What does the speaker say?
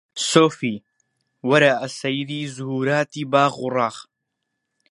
سۆفی! وەرە ئەسەیری زوهووراتی باغ و ڕاغ